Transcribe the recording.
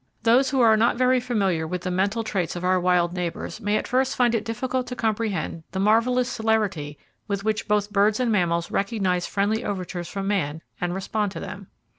Those who are not very familiar with the mental traits of our wild neighbors may at first find it difficult to comprehend the marvelous celerity with which both birds and mammals recognize friendly overtures from man, and respond to them.